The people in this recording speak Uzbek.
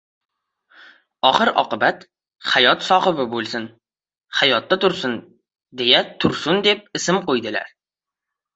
Oxir-oqibat, hayot sohibi bo‘lsin, hayotda tursin, deya Tursun deb ism qo‘ydilar.